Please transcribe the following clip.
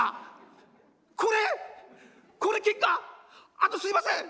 あとすいません